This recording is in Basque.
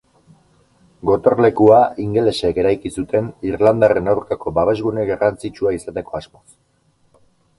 Gotorlekua ingelesek eraiki zuten irlandarren aurkako babesgune garrantzitsua izateko asmoz.